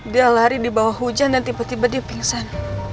dia lari di bawah hujan dan tiba tiba di pingsan